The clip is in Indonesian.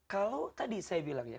kalau tadi saya bilang ya